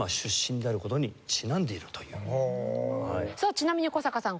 ちなみに古坂さん